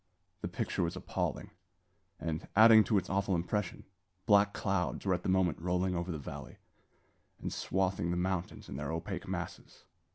The picture was appalling; and, adding to its awful impression, black clouds were at the moment rolling over the valley, and swathing the mountains in their opaque masses.